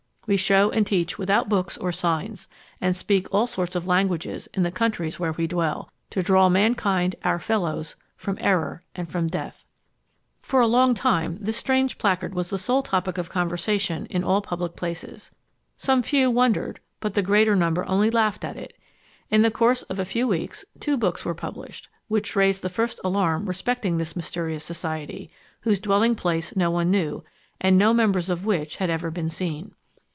We shew and teach without books or signs, and speak all sorts of languages in the countries where we dwell, to draw mankind, our fellows, from error and from death_." For a long time this strange placard was the sole topic of conversation in all public places. Some few wondered, but the greater number only laughed at it. In the course of a few weeks two books were published, which raised the first alarm respecting this mysterious society, whose dwelling place no one knew, and no members of which had ever been seen.